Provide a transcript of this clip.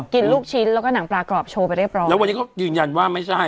ลูกชิ้นแล้วก็หนังปลากรอบโชว์ไปเรียบร้อยแล้ววันนี้เขายืนยันว่าไม่ใช่